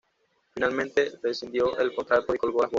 Finalmente, rescindió el contrato y colgó las botas.